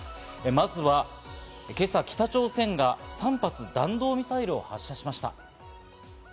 まずは今朝、北朝鮮が３発、弾道ミサイルを発射しました。